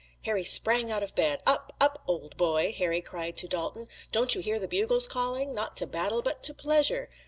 Harry sprang out of bed. "Up! up! old boy!" Harry cried to Dalton. "Don't you hear the bugles calling? not to battle but to pleasure!